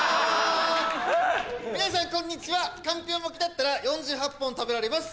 皆さんこんにちはかんぴょう巻きだったら４８本食べられます！